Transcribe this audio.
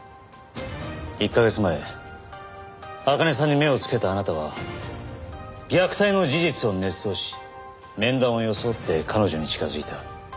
１カ月前茜さんに目をつけたあなたは虐待の事実を捏造し面談を装って彼女に近づいた。